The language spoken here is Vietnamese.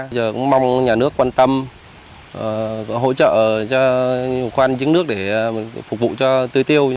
giờ cũng mong nhà nước quan tâm hỗ trợ cho khoan chứng nước để phục vụ cho tư tiêu